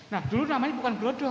nah dulu namanya bukan grodoh